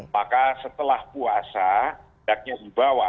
maka setelah puasa tidaknya dibawa